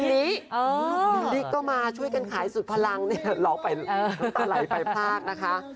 นิดนี้นิดนี้ก็มาช่วยกันขายสุดพลังหลอกไปตาไหลไปภาคนะคะ